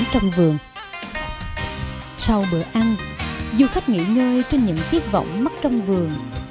sau bữa ăn du khách nghỉ ngơi trên những chiếc vỏng mắt trong vườn